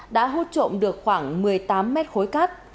đã hút trộm được khoảng một mươi tám mét khối cát